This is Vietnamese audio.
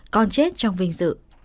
con chết trong vinh dự